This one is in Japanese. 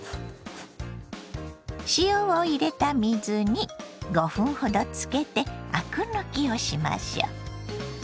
塩を入れた水に５分ほどつけてアク抜きをしましょ。